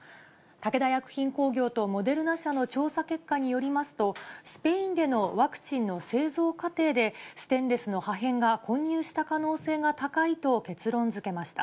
武田薬品工業とモデルナ社の調査結果によりますと、スペインでのワクチンの製造過程で、ステンレスの破片が混入した可能性が高いと結論づけました。